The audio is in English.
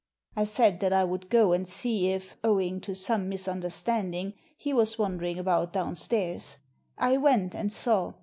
I said that I would go and see if, owing to some misunderstanding, he was wandering about down stairs. I went and saw.